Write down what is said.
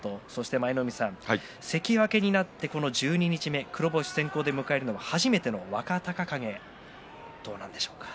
舞の海さん、関脇になってこの十二日目黒星先行で迎えるのは初めての若隆景です。